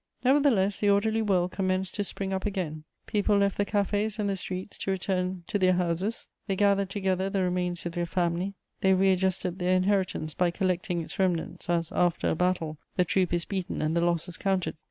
Nevertheless, the orderly world commenced to spring up again; people left the cafés and the streets to return to their houses; they gathered together the remains of their family; they readjusted their inheritance by collecting its remnants, as, after a battle, the troop is beaten and the losses counted.